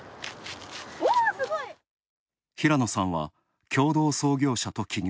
平野さんは共同創業者と起業。